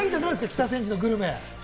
北千住のグルメ。